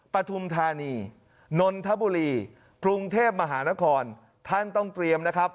ปฐุมธานีนนทบุรีกรุงเทพมหานครท่านต้องเตรียมนะครับ